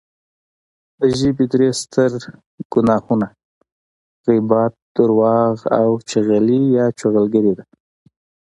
د ژبې درې ستر ګناهونه غیبت، درواغ او چغلي دی